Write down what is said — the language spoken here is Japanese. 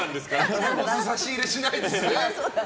ラスボス差し入れしないですね。